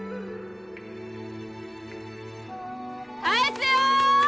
返すよ！